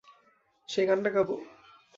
সেই গানটা গাব?